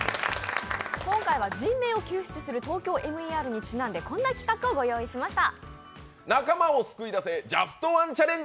今回は人命を救出する「ＴＯＫＹＯＭＥＲ」にちなんでこんな企画をご用意しました。